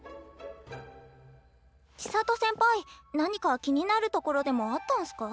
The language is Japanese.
千砂都先輩何か気になるところでもあったんすか？